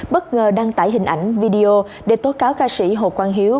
bất ngờ đăng tải hình ảnh video để tố cáo ca sĩ hồ quang hiếu